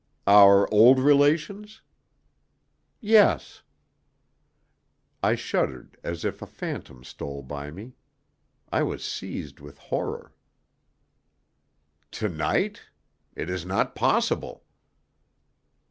"Our old relations?" "Yes." I shuddered as if a phantom stole by me. I was seized with horror. "To night? It is not possible!"